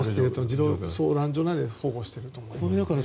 児童相談所などで保護していると思います。